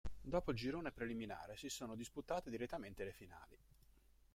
Dopo il girone preliminare si sono disputate direttamente le finali.